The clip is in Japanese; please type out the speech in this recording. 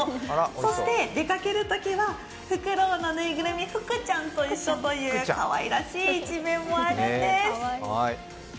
そして、出かけるときはフクロウのぬいぐるみ、フクちゃんと一緒というかわいらしい一面もあるんです。